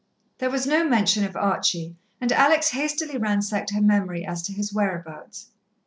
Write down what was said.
There was no mention of Archie, and Alex hastily ransacked her memory as to his whereabouts.